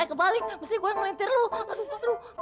eh kebalik mesti gue yang melintir lo